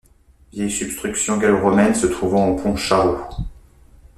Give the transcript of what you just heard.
Vieille substruction gallo-romaine se trouvant au pont Charraud.